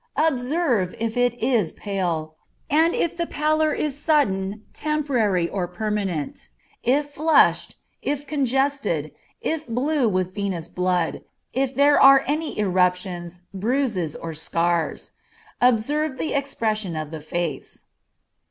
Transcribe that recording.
Observe if it is pale, and if the pallor is sudden, temporary or permanent; if flushed, if congested, if blue with venous blood, if there are any eruptions, bruises, or scars. Observe the expression of the face.